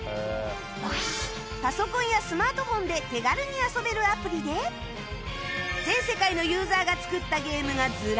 パソコンやスマートフォンで手軽に遊べるアプリで全世界のユーザーが作ったゲームがずらり